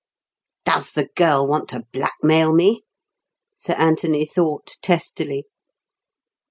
"Does the girl want to blackmail me?" Sir Anthony thought testily.